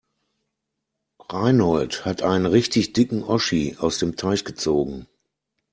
Reinhold hat einen richtig dicken Oschi aus dem Teich gezogen.